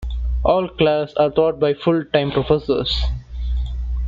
All classes are taught by full-time professors.